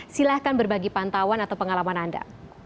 silahkan berbagi pantauan atau pengalaman anda